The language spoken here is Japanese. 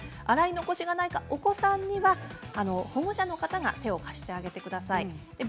洗い残しがないか、お子さんには保護者の方が手を貸してあげてください。